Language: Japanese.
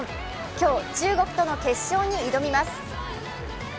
今日、中国との決勝に挑みます。